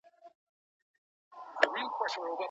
که د سړک غاړې ونې پرې نسي، نو ښار نه بدرنګه کیږي.